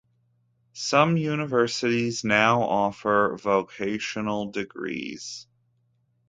Some universities now offer vocational degrees.